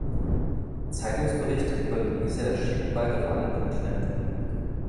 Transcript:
Zeitungsberichte über Luise erschienen bald auf allen Kontinenten.